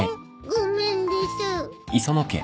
ごめんです。